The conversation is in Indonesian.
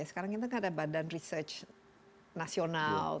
sekarang kita kan ada badan research nasional